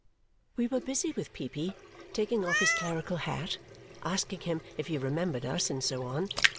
We were busy with Peepy, taking off his clerical hat, asking him if he remembered us, and so on.